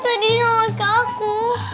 tadi ngelakuin aku